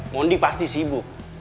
mondi pasti sibuk